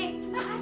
hah gak ada